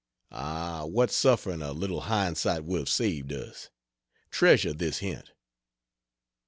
Ah, what suffering a little hindsight would have saved us. Treasure this hint.